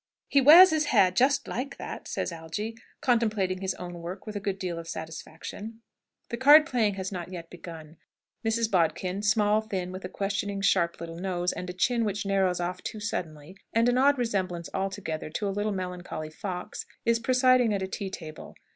"He wears his hair just like that!" says Algy, contemplating his own work with a good deal of satisfaction. The card playing has not yet begun. Mrs. Bodkin, small, thin, with a questioning, sharp, little nose, and a chin which narrows off too suddenly, and an odd resemblance altogether to a little melancholy fox, is presiding at a tea table.